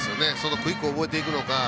クイックを覚えていくのか。